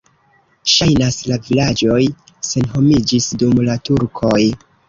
Ŝajnas, la vilaĝoj senhomiĝis dum la turkoj.